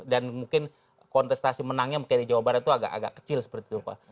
dan mungkin kontestasi menangnya di jawa barat itu agak agak kecil seperti itu pak